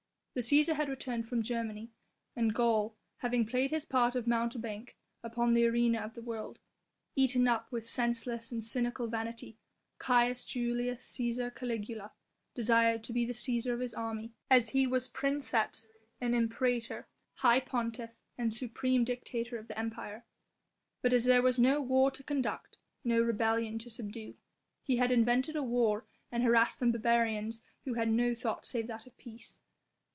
The Cæsar had returned from Germany and Gaul having played his part of mountebank upon the arena of the world. Eaten up with senseless and cynical vanity, Caius Julius Cæsar Caligula desired to be the Cæsar of his army as he was princeps and imperator, high pontiff and supreme dictator of the Empire. But as there was no war to conduct, no rebellion to subdue, he had invented a war and harassed some barbarians who had no thought save that of peace.